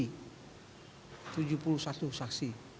hari ini habis berarti pak